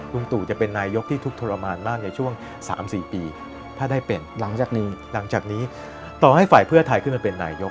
ตู่จะเป็นนายกที่ทุกข์ทรมานมากในช่วง๓๔ปีถ้าได้เป็นหลังจากนี้หลังจากนี้ต่อให้ฝ่ายเพื่อไทยขึ้นมาเป็นนายก